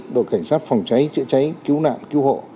đội cảnh sát phòng cháy chữa cháy cứu nạn cứu hộ